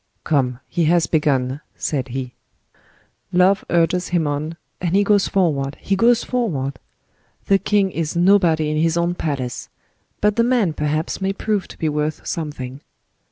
"Come, he has begun," said he. "Love urges him on, and he goes forward—he goes forward! The king is nobody in his own palace; but the man perhaps may prove to be worth something.